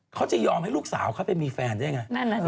เขาจะยอมให้ลูกสาวเขาไปมีแฟนได้ไง